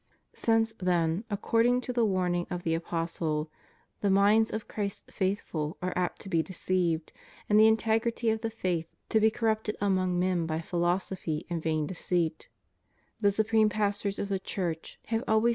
Since, then, according to the warning of the apostle, the minds of Christ's faithful are apt to be deceived and the integrity of the faith to be corrupted among men by philosophy and vain deceit,' the supreme pastors of the Church have always thought » Matt, xxviii.